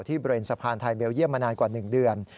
เบรนด์สะพานไทยเบลเยี่ยมมานานกว่า๑เดือน